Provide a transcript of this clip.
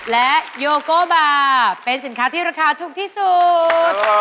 และโยโกบาร์เป็นสินค้าที่ราคาถูกที่สุด